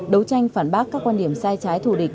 đấu tranh phản bác các quan điểm sai trái thù địch